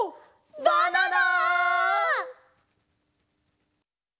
バナナ！